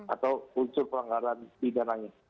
atau unsur pelanggaran pindahannya